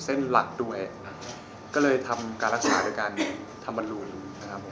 เส้นหลักด้วยก็เลยทำการรักษาโดยการทำบอลลูนนะครับผม